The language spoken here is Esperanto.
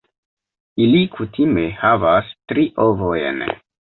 Ili kutime havas tri ovojn.